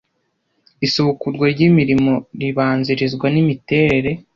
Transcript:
isubukurwa ry imirimo ribanzirizwa n imiterere